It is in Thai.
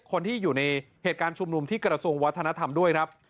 คนที่อยู่ในเหตุการณ์ชุมนุมที่กระทรวงวัฒนธรรมด้วยครับ